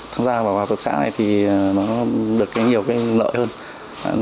thực ra vào hợp tác xã này thì nó được nhiều cái lợi hơn